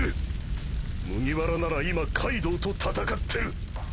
麦わらなら今カイドウと戦ってる！